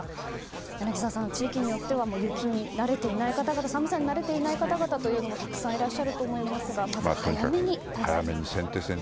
柳澤さん、地域によっては雪、寒さに慣れてない方々もたくさんいらっしゃると思いますがまず早めに対策と。